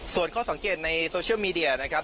ส่วนข้อสังเกตในโซเชียลมีเดียนะครับ